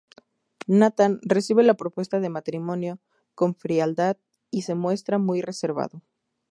Nathan recibe la propuesta de matrimonio con frialdad y se muestra muy reservado.